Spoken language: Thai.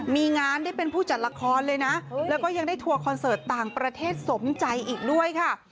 มีงานได้เป็นผู้จัดละครเลยนะแล้วก็ยังได้ทัวร์คอนเสิร์ตต่างประเทศสมใจอีกด้วยค่ะ